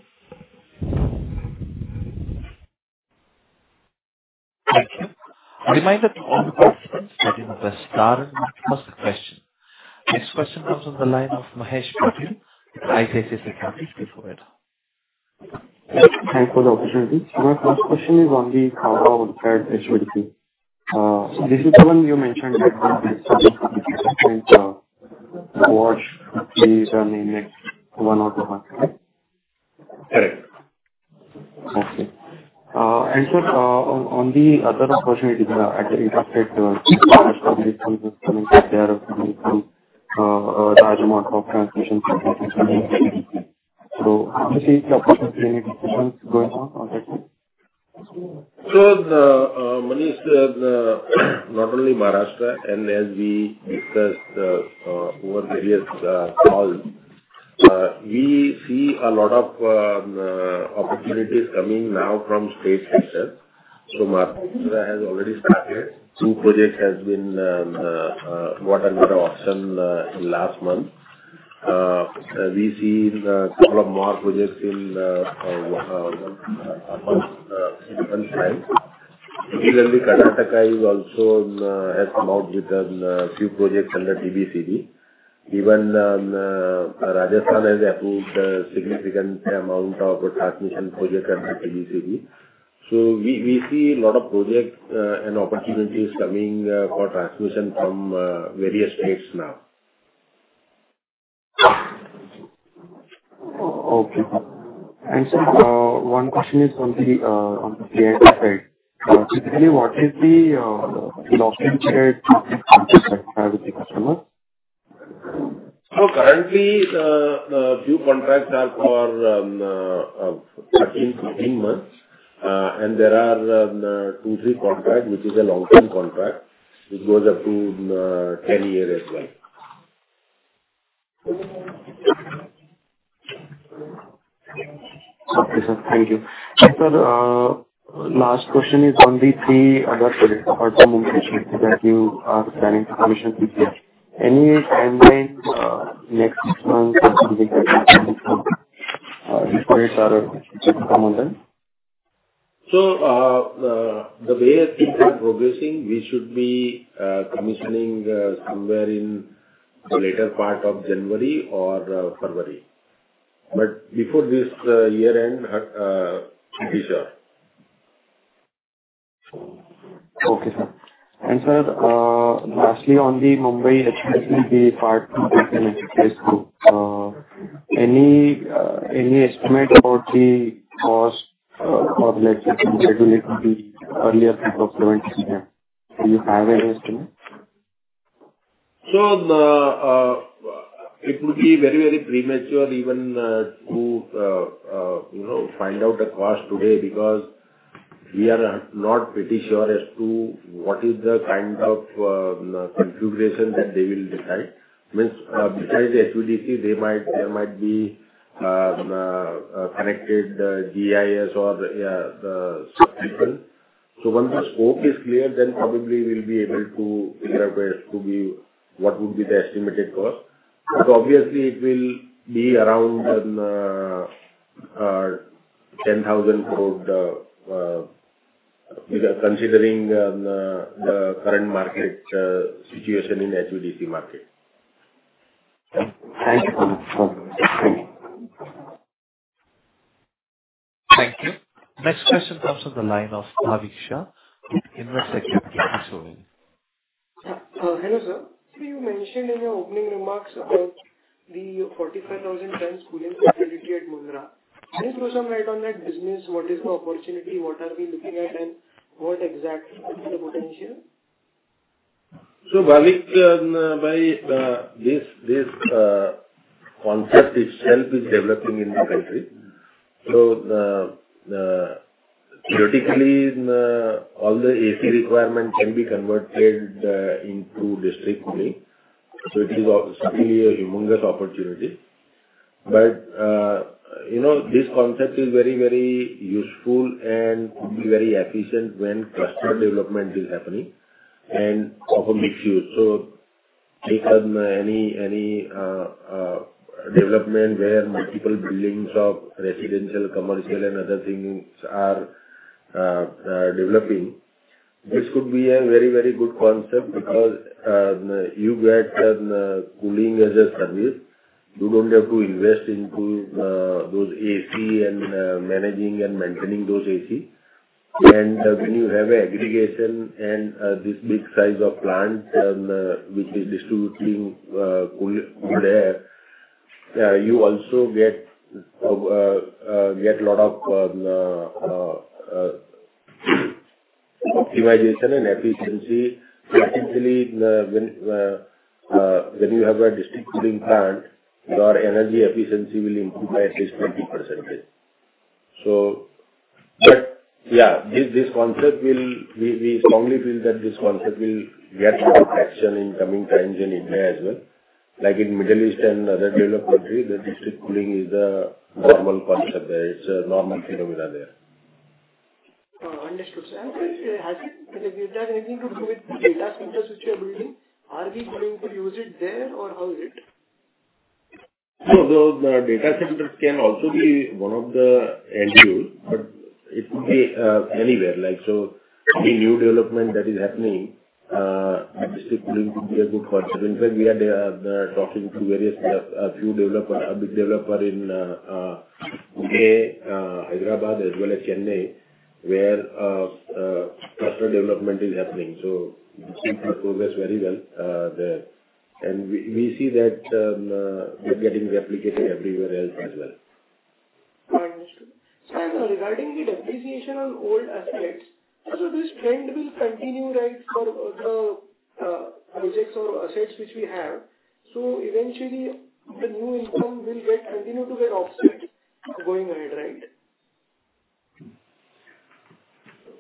Thank you. We might have all the questions. That is the star and the first question. Next question comes from the line of Mahesh Patil, ICIC Securities. Please go ahead. Thanks for the opportunity. My first question is on the cargo on the HVDC. So this is the one you mentioned that the business would be different and. Watch to see the next one or two months, correct? Correct. Okay. And, sir, on the other opportunities at the interstate transmission, this one was coming up there to do. A large amount of transmission. So obviously, the opportunity and expansion is going on, or that's it? Mahesh, not only Maharashtra, and as we discussed over various calls, we see a lot of opportunities coming now from state sector. Maharashtra has already started. Two projects have been bought under auction last month. We see a couple of more projects in one month's time. Similarly, Karnataka has also come out with a few projects under TBCB. Even Rajasthan has approved a significant amount of transmission projects under TBCB. We see a lot of projects and opportunities coming for transmission from various states now. Okay. And, sir, one question is on the C&I side. Typically, what is the loss rate shared with the customers? Currently, the few contracts are for 13-15 months. And there are two, three contracts, which is a long-term contract, which goes up to 10 years as well. Okay, sir. Thank you. Sir, last question is on the three other projects for Mumbai HVDC that you are planning to commission this year. Any timeline next month or something like that? These projects are coming on then? The way things are progressing, we should be commissioning somewhere in the later part of January or February, but before this year-end, to be sure. Okay, sir. And, sir, lastly, on the Mumbai HVDC part, we can anticipate so. Any estimate for the cost of electricity scheduling to be earlier in 2027? Do you have any estimate? It would be very, very premature, even to find out the cost today because we are not pretty sure as to what is the kind of configuration that they will decide. Means, besides the HVDC, there might be connected GIS or subsequent. Once the scope is clear, then probably we'll be able to figure out what would be the estimated cost. Obviously, it will be around 10,000 crore, considering the current market situation in the HVDC market. Thank you. Thank you. Next question comes from the line of Navik Shah, Invest Securities. Hello, sir. You mentioned in your opening remarks about the 45,000 tons cooling facility at Mundra. Can you throw some light on that business? What is the opportunity? What are we looking at? What exactly is the potential? Manik, this concept itself is developing in the country. Theoretically, all the AC requirements can be converted into district cooling. It is certainly a humongous opportunity. This concept is very, very useful and could be very efficient when cluster development is happening and of a mixed use. Any development where multiple buildings of residential, commercial, and other things are developing, this could be a very, very good concept because you get cooling as a service. You do not have to invest into those AC and managing and maintaining those AC. When you have aggregation and this big size of plant which is distributing cool air, you also get a lot of optimization and efficiency. Typically, when you have a district cooling plant, your energy efficiency will improve by at least 20%. We strongly feel that this concept will get more traction in coming times in India as well. Like in Middle East and other developed countries, the district cooling is a normal concept there. It is a normal phenomena there. Understood, sir. Has it anything to do with the data centers which you are building? Are we going to use it there or how is it? The data centers can also be one of the end use. It could be anywhere. Any new development that is happening, district cooling could be a good concept. In fact, we are talking to a few developers, a big developer in the U.K., Hyderabad, as well as Chennai, where cluster development is happening. It seems to progress very well there. We see that we are getting replicated everywhere else as well. Understood. Sir, regarding the depreciation on old assets, this trend will continue for the projects or assets which we have. Eventually, the new income will continue to get offset going ahead, right?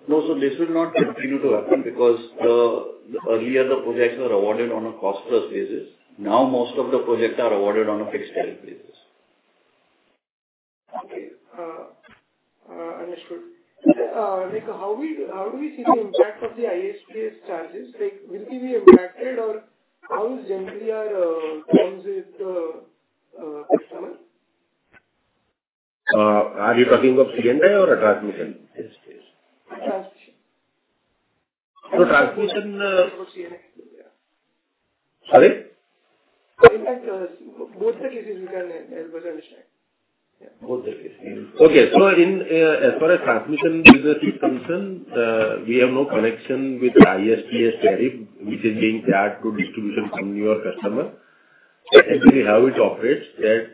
No, so this will not continue to happen because earlier, the projects were awarded on a cost-plus basis. Now, most of the projects are awarded on a fixed-term basis. Okay. Understood. How do we see the impact of the ISPs charges? Will it be impacted, or how is generally comes with the customer? Are you talking of C&I or a transmission? Yes, yes. A transmission. So transmission. Or CNI? Sorry? In fact, both the cases we can help us understand. Both the cases. Okay. As far as transmission business is concerned, we have no connection with the ISPs tariff, which is being charged to distribution company or customer. Essentially, how it operates is that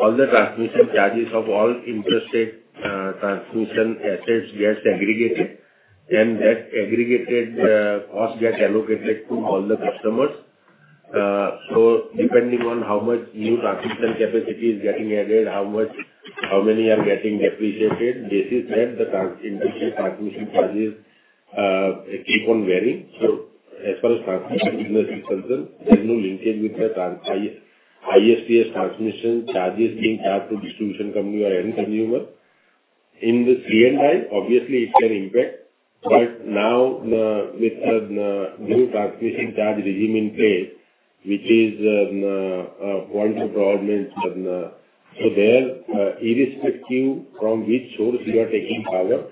all the transmission charges of all interstate transmission assets get segregated, and that segregated cost gets allocated to all the customers. Depending on how much new transmission capacity is getting added, how many are getting depreciated, this is that the interstate transmission charges keep on varying. As far as transmission business is concerned, there is no linkage with the ISPs transmission charges being charged to distribution company or any consumer. In the C&I, obviously, it can impact. Now, with the new transmission charge regime in place, which is a point of providence, there, irrespective from which source you are taking power,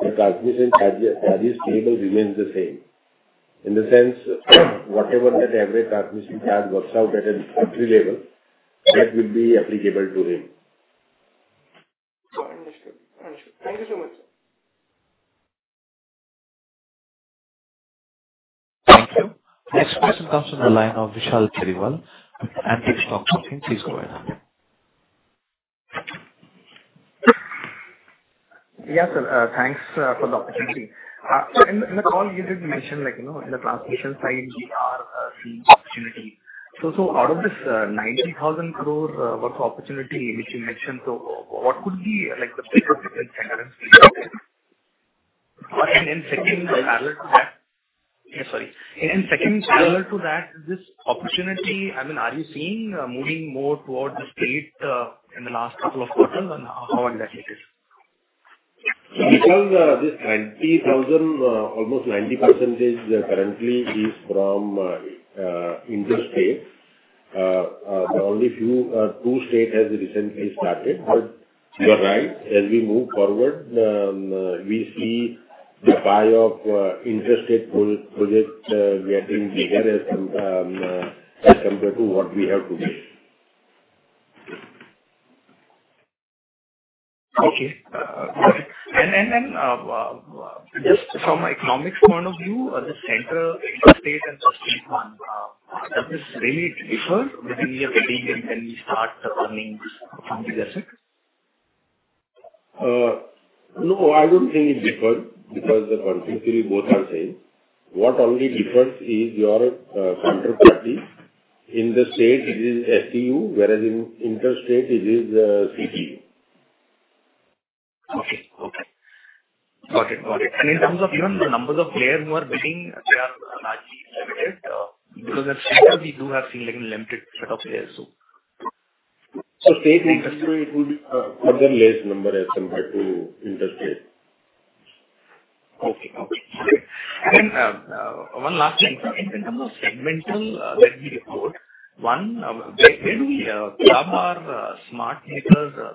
the transmission charges table remains the same. In the sense, whatever that average transmission charge works out at a country level, that will be applicable to him. Understood. Thank you so much, sir. Thank you. Next question comes from the line of Vishal Perival. Please talk to him. Please go ahead. Yes, sir. Thanks for the opportunity. In the call, you did mention that in the transmission side, we are seeing opportunity. Out of this 900 billion worth of opportunity which you mentioned, what could be the biggest difference? Second, parallel to that, this opportunity, I mean, are you seeing moving more towards the state in the last couple of quarters? How exactly is it? Because this 90,000, almost 90% currently is from interstate. Only a few, two states have recently started. You're right. As we move forward, we see the buy of interstate projects getting bigger as compared to what we have today. Okay. And then just from an economics point of view, the central interstate and the state one, does this really differ between your bidding and when we start running funding assets? No, I don't think it differs because conceptually both are the same. What only differs is your counterparty. In the state, it is STU, whereas in interstate, it is CTU. Okay. Okay. Got it. Got it. In terms of even the numbers of players who are bidding, they are largely limited? Because at state, we do have seen a limited set of players, so. State and interstate, it would be for the less number as compared to interstate. Okay. Okay. Okay. And then one last thing. In terms of segmental that we report, one, where do we club our smart meter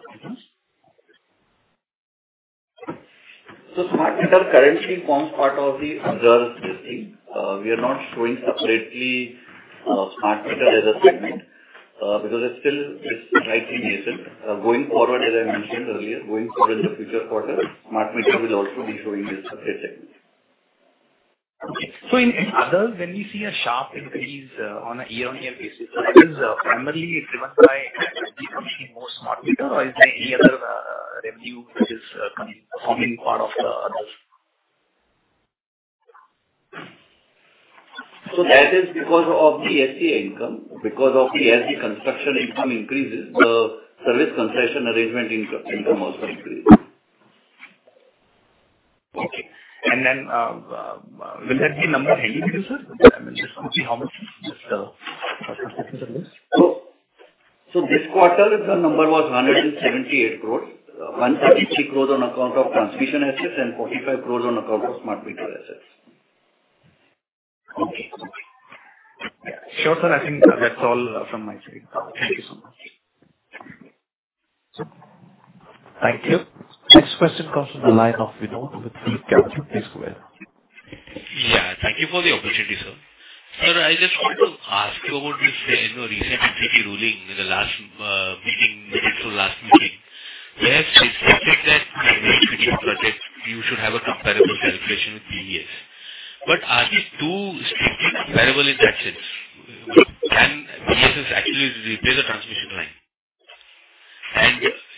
companies? Smart meter currently forms part of the other listing. We are not showing separately. Smart meter as a segment because it is still this rightly basis. Going forward, as I mentioned earlier, going forward in the future quarter, smart meter will also be showing this as a segment. Okay. So in others, when we see a sharp increase on a year-on-year basis, is this primarily driven by revenue from seeing more smart meter, or is there any other revenue which is forming part of this? That is because of the ST income. Because of the ST construction income increases. The service concession arrangement income also increases. Okay. Will that be number handy to you, sir? I mean, just to see how much is just a consistent amount. This quarter, the number was 178 crore, 178 crore on account of transmission assets and 45 crore on account of smart meter assets. Okay. Okay. Yeah. Sure, sir. I think that's all from my side. Thank you so much. Thank you. Next question comes from the line of Vinod with Philip Kavanagh. Please go ahead. Yeah. Thank you for the opportunity, sir. Sir, I just want to ask you about this recent MCP ruling in the last meeting, the digital last meeting. They have stated that in every project, you should have a comparable calculation with PES. Are these two strictly comparable in that sense? Can PES actually replace a transmission line?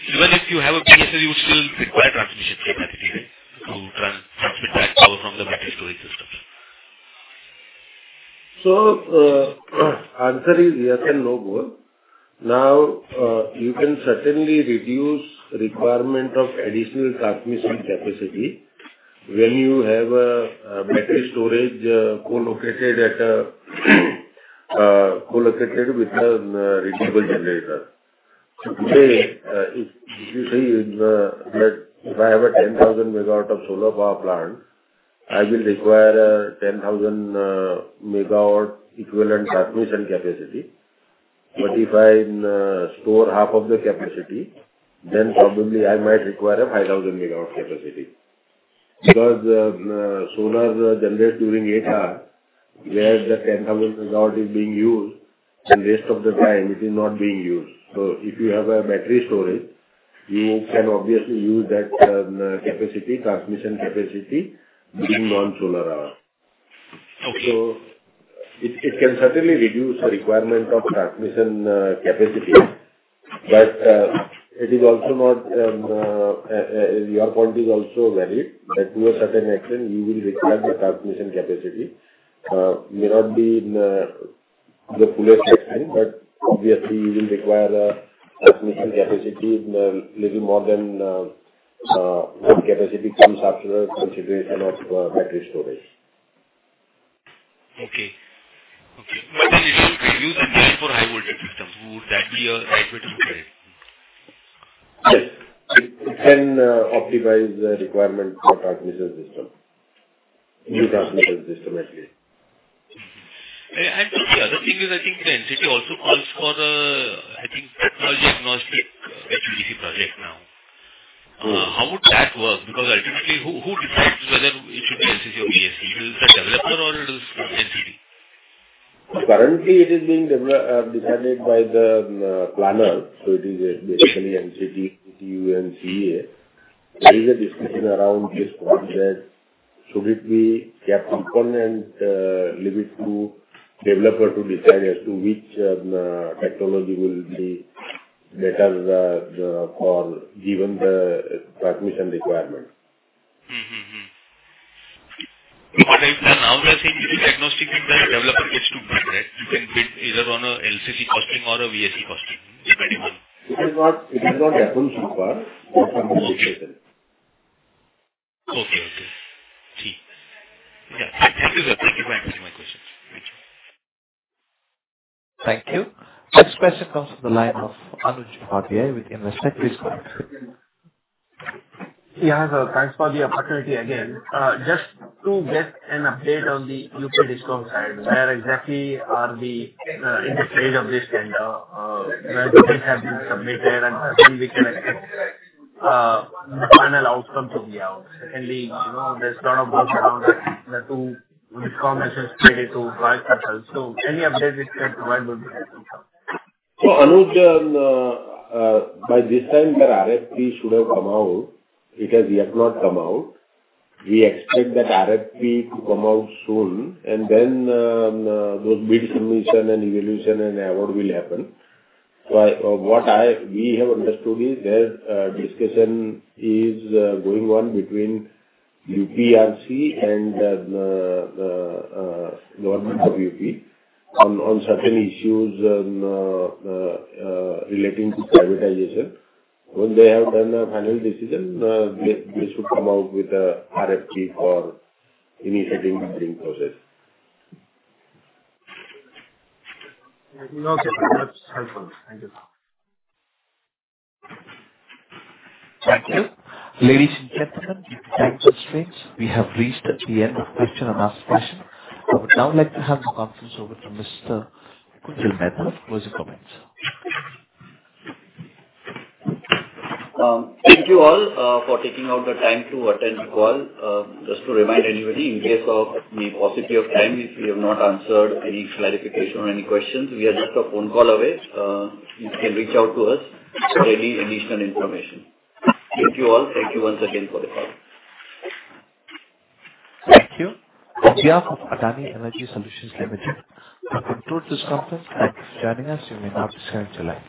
Even if you have a PES, you would still require transmission capacity, right, to transmit that power from the battery storage systems? The answer is yes and no both. You can certainly reduce the requirement of additional transmission capacity when you have a battery storage co-located with a renewable generator. Today, if you say, if I have a 10,000 MW solar power plant, I will require a 10,000 MW equivalent transmission capacity. If I store half of the capacity, then probably I might require a 5,000 MW capacity, because solar generates during eight hours, where the 10,000 MW is being used, and the rest of the time, it is not being used. If you have a battery storage, you can obviously use that transmission capacity during non-solar hour. It can certainly reduce the requirement of transmission capacity. Your point is also valid, that to a certain extent, you will require the transmission capacity. It may not be in the fullest extent, but obviously, you will require a transmission capacity a little more than what capacity comes after consideration of battery storage. Okay. Okay. Would that be a right way to look at it, that it will reduce the demand for high-voltage systems? Yes. It can optimize the requirement for a transmission system. New transmission system at least. The other thing is, I think the NCT also calls for, I think, technology-agnostic HVDC projects now. How would that work? Because ultimately, who decides whether it should be NCT or PST? Is it a developer, or is it NCT? Currently, it is being decided by the planner. So it is basically NCT, CTU, and CEA. There is a discussion around this point that should it be kept open and leave it to the developer to decide as to which technology will be better for given the transmission requirement. Now, they're saying it's agnostic in that the developer gets to bid, right? You can bid either on an LCC costing or a VSC costing, depending on. It has not happened so far in the current situation. Okay. Thank you, sir. Thank you for answering my questions. Thank you. Thank you. Next question comes from the line of Anuj Bhatia with Investor. Please go ahead. Yeah, sir. Thanks for the opportunity again. Just to get an update on the U.K. DISCOM side, where exactly are we in the stage of this tender? Where do these have been submitted, and when we can expect the final outcome to be out? There is a lot of work around the two DISCOM messages related to product itself. Any update you can provide will be helpful, sir. By this time, the RFP should have come out. It has yet not come out. We expect that RFP to come out soon. Those bid submission and evaluation and award will happen. What we have understood is that discussion is going on between UPRC and the government of UP on certain issues relating to privatization. When they have done a final decision, they should come out with an RFP for initiating the bidding process. Okay. That's helpful. Thank you, sir. Thank you. Ladies and gentlemen, if the time is respected, we have reached the end of the question and answer session. I would now like to hand the conference over to Mr. Kunjal Mehta for closing comments. Thank you all for taking out the time to attend the call. Just to remind anybody, in case of any paucity of time, if we have not answered any clarification or any questions, we are just a phone call away. You can reach out to us for any additional information. Thank you all. Thank you once again for the call. Thank you. We are from Adani Energy Solutions Limited. For completing this conference, thank you for joining us. You may now disconnect your line.